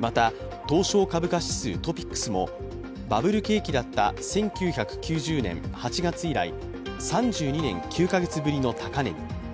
また、東証株価指数＝ＴＯＰＩＸもバブル景気だった１９９０年８月以来、３２年９か月ぶりの高値に。